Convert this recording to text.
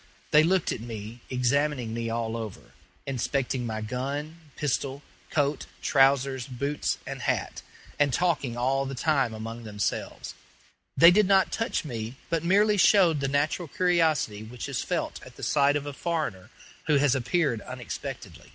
They looked at me, examining me all over, inspecting my gun, pistol, coat, trousers, boots, and hat, and talking all the time among themselves. They did not touch me, but merely showed the natural curiosity which is felt at the sight of a foreigner who has appeared unexpectedly.